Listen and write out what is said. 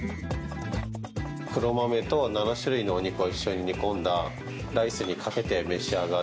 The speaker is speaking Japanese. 黒豆と７種類のお肉を一緒に煮込んだライスにかけて召し上がる